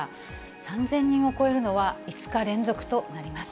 ３０００人を超えるのは５日連続となります。